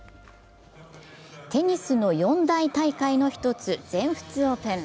テニスの四大大会の一つ全仏オープン。